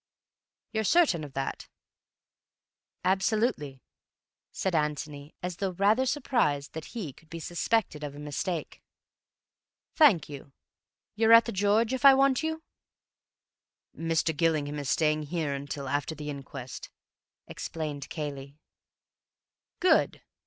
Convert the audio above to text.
"You're certain of that?" "Absolutely," said Antony, as though rather surprised that he could be suspected of a mistake. "Thank you. You're at 'The George,' if I want you?" "Mr. Gillingham is staying here until after the inquest," explained Cayley. "Good.